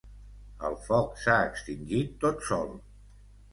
El foc s'ha extingit tot sol.